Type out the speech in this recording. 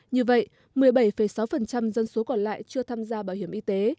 như vậy một mươi bảy sáu dân số còn lại chưa tham gia bảo hiểm y tế